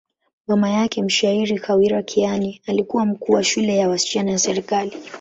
Mama yake, mshairi Khawar Kiani, alikuwa mkuu wa shule ya wasichana ya serikali.